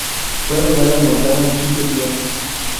Fue rodada y montada en quince días.